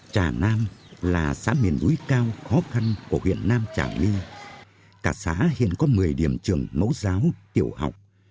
trà nam là xã miền núi cao khó khăn của huyện nam trà my cả xã hiện có một mươi điểm trường mẫu giáo tiểu học